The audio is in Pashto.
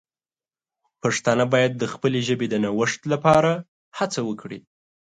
پښتانه باید د خپلې ژبې د نوښت لپاره هڅه وکړي.